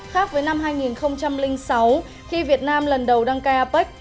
khác với năm hai nghìn sáu khi việt nam lần đầu đăng cai apec